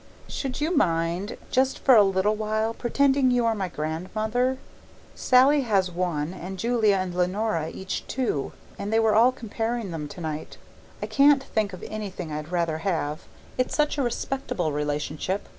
Should you mind, just for a little while, pretending you are my grandmother? Sallie has one and Julia and Leonora each two, and they were all comparing them tonight. I can't think of anything I'd rather have; it's such a respectable relationship.